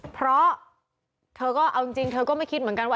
เพราะเธอก็เอาจริงเธอก็ไม่คิดเหมือนกันว่า